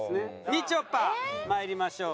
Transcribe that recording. みちょぱまいりましょう。